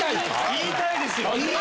言いたいですよ！